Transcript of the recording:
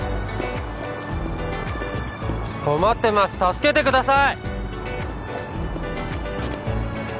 困ってます助けてください！